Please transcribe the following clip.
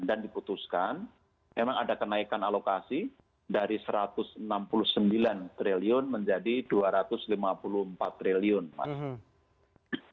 dan diputuskan memang ada kenaikan alokasi dari rp satu ratus enam puluh sembilan triliun menjadi rp dua ratus lima puluh empat triliun mas